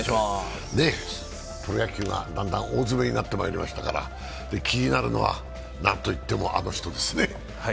プロ野球がだんだん大詰めになってまいりましたから気になるのは、何といってもあの人ですね。